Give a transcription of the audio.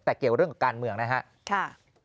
แต่เกี่ยวเรื่องกับการเมืองนะครับ